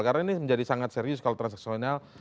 karena ini menjadi sangat serius kalau transaksional